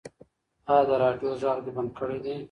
ایا د راډیو غږ دې بند کړی دی؟